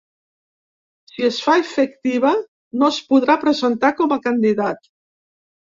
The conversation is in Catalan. Si es fa efectiva, no es podrà presentar com a candidat.